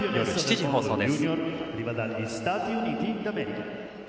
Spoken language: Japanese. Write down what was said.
夜７時放送です。